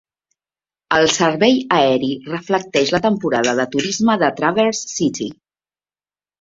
El servei aeri reflecteix la temporada de turisme de Traverse City.